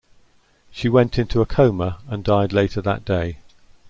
She went into a coma and died later that day.